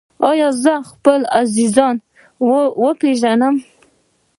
ایا زه به خپل عزیزان وپیژنم؟